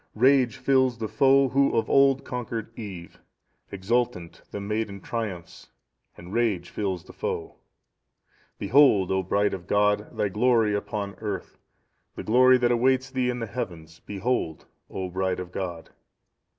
"Rage fills the foe who of old conquered Eve; exultant the maiden triumphs and rage fills the foe. "Behold, O bride of God, thy glory upon earth; the glory that awaits thee in the Heavens behold, O bride of God.